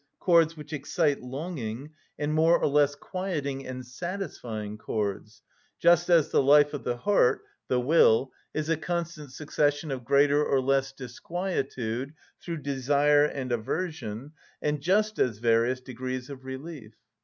_, chords which excite longing, and more or less quieting and satisfying chords; just as the life of the heart (the will) is a constant succession of greater or less disquietude through desire and aversion, and just as various degrees of relief.